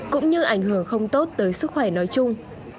cũng như ảnh hưởng không tốt tới sức khỏe nói chung